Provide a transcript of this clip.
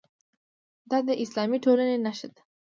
دا د اسلامي ټولنې نښه ده.